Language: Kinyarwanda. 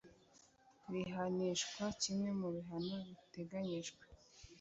Rihanishwa kimwe mu bihano biteganyijwe